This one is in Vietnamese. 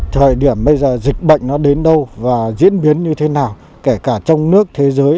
thời điểm bây giờ dịch bệnh nó đến đâu và diễn biến như thế nào kể cả trong nước thế giới